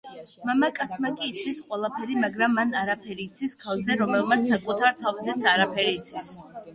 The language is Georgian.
მამაკაცმა კი იცის ყველაფერი, მაგრამ მან არაფერი იცის ქალზე, რომელმაც საკუთარ თავზეც არაფერი იცის.